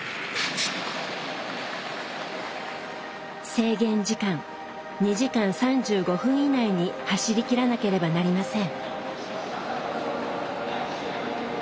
制限時間２時間３５分以内に走りきらなければなりません。